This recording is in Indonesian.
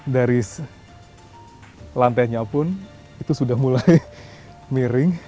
dari lantainya pun itu sudah mulai miring